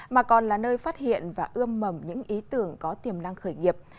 mà còn là nơi phát hiện và ươm mầm những ý tưởng có tiềm năng khởi nghiệp